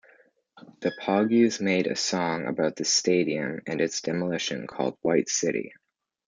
The Pogues made a song about the stadium and its demolition, called "White City".